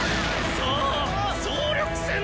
さあっ総力戦だッ！